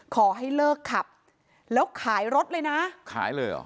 ขอให้เลิกขับแล้วขายรถเลยนะขายเลยเหรอ